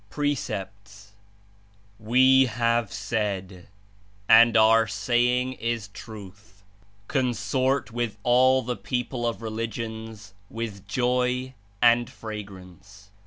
PRECEPT.^ "We have said — and Our saying Is truth — 'Consort with all the (people of) religions with joy and fra grance.'